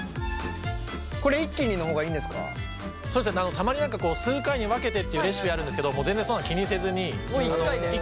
たまに数回に分けてっていうレシピあるんですけど全然そんなの気にせずに。